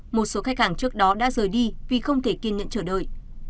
một số khách hàng trước đó đã rời đi vì không thể kiên nhẫn chờ đợi